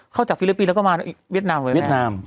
เข้าจากฟิลิปปินสแล้วก็มาเวียดนามเลยเวียดนาม